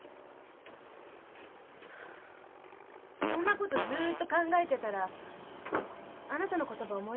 そんなことずーっと考えてたらあなたの言葉思い出した。